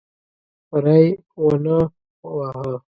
ری ونه واهه.